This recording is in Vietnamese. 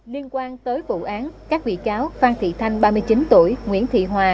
liên quan tới vụ án các bị cáo phan thị thanh ba mươi chín tuổi nguyễn thị hòa